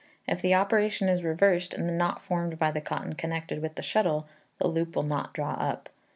If the operation is reversed, and the knot formed by the cotton connected with the shuttle, the loop will not draw up.